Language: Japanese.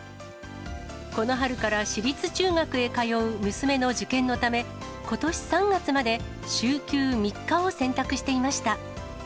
この春から私立中学へ通う娘の受験のため、ことし３月まで週休３日を選択していました。